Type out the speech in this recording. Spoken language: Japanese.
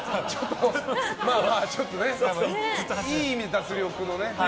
ちょっとね、いい意味で脱力のね。